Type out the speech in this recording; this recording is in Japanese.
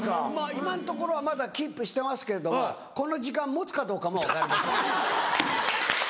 今のところはまだキープしてますけれどもこの時間持つかどうかも分かりません。